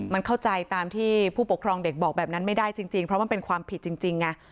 มันเข้าใจตามที่ผู้ปกครองเด็กบอกแบบนั้นไม่ได้จริงเพราะมันเป็นความผิดจริงไง